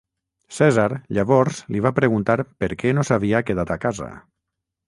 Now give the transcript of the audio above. Cèsar llavors li va preguntar per què no s'havia quedat a casa.